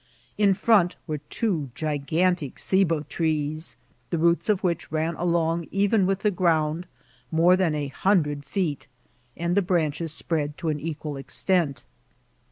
In front were two gigantic Ceiba trees, the roots of which ran along even with the ground more than a hundred feet, and the branches spread to an equal extent.